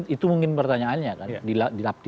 itu mungkin pertanyaannya kan